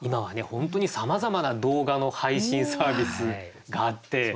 本当にさまざまな動画の配信サービスがあって。